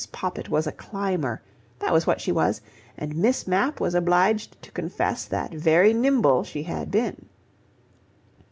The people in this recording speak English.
Poppit was a climber: that was what she was, and Miss Mapp was obliged to confess that very nimble she had been.